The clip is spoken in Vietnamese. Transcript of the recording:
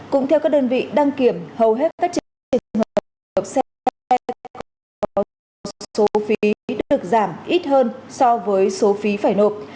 cũng theo các đơn vị đăng kiểm hầu hết các trường hợp xe có số phí được giảm ít hơn so với số phí phải nộp